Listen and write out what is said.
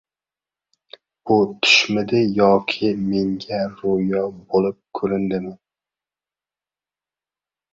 Bu tushmidi yoki menga roʻyo boʻlib koʻrindimi?